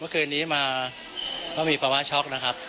เมื่อคืนนี้มาก็มีภาวะช็อกนะครับ